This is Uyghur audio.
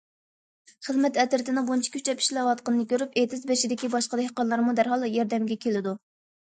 خىزمەت ئەترىتىنىڭ بۇنچە كۈچەپ ئىشلەۋاتقىنىنى كۆرۈپ، ئېتىز بېشىدىكى باشقا دېھقانلارمۇ دەرھال ياردەمگە كېلىدۇ.